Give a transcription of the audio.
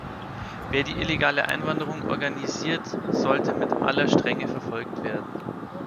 Wer die illegale Einwanderung organisiert, sollte mit aller Strenge verfolgt werden.